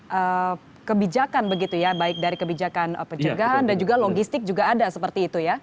jadi kebijakan begitu ya baik dari kebijakan penjagaan dan juga logistik juga ada seperti itu ya